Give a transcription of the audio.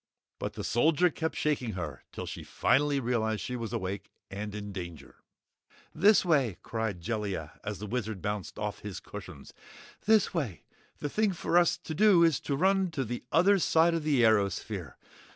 But the Soldier kept shaking her till she finally realized she was awake and in danger. "This way!" cried Jellia, as the Wizard bounced off his cushions. "This way! The thing for us to do is to run to the other side of the airosphere.